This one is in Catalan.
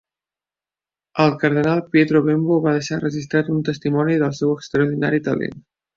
El cardenal Pietro Bembo va deixar registrat un testimoni del seu extraordinari talent.